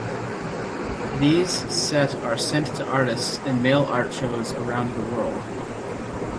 These set are sent to artists and Mail Art shows around the world.